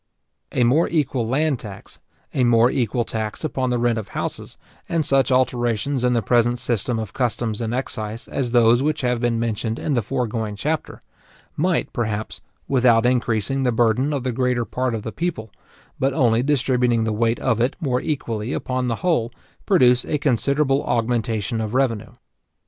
A more equal land tax, a more equal tax upon the rent of houses, and such alterations in the present system of customs and excise as those which have been mentioned in the foregoing chapter, might, perhaps, without increasing the burden of the greater part of the people, but only distributing the weight of it more equally upon the whole, produce a considerable augmentation of revenue.